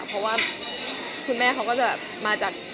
เพราะว่าคุณแม่เขาก็จะมาจาก